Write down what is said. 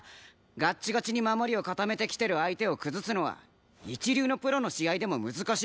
ガッチガチに守りを固めてきてる相手を崩すのは一流のプロの試合でも難しいって聞いたぞ。